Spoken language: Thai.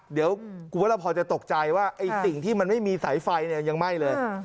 เดี๋ยวกูว่าเราพอจะตกใจว่าไอ้สิ่งที่มันไม่มีสายไฟยังไหม้เลย